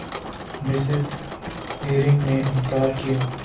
Mrs Jurgen نے اِنکار کِیا